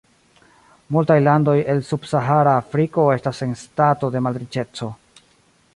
Multaj landoj el subsahara Afriko estas en stato de malriĉeco.